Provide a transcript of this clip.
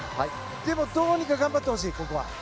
でもどうにか頑張ってほしいここは。